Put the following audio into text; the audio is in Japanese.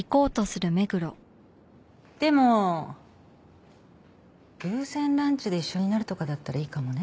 でも偶然ランチで一緒になるとかだったらいいかもね。